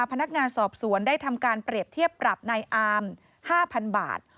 พนักงานสอบสวนได้ทำการเปรียบเทียบปรับในอาม๕๐๐๐บาท